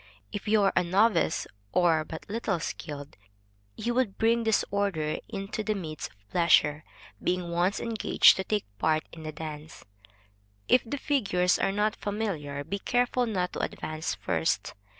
If you are a novice or but little skilled, you would bring disorder into the midst of pleasure. Being once engaged to take part in the dance, if the figures are not familiar, be careful not to advance first.